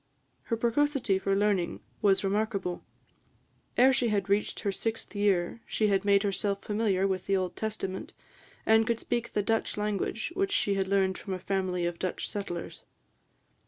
Her precocity for learning was remarkable. Ere she had reached her sixth year, she had made herself familiar with the Old Testament, and could speak the Dutch language, which she had learned from a family of Dutch settlers.